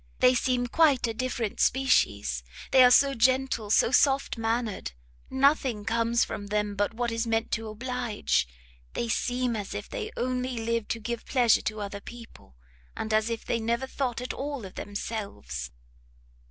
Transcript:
they seem quite a different species! they are so gentle, so soft mannered! nothing comes from them but what is meant to oblige! they seem as if they only lived to give pleasure to other people, and as if they never thought at all of themselves!"